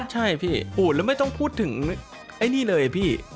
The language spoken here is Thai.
ใช่พี่พูดแล้วไม่ต้องพูดถึงไอ้นี่เลยพี่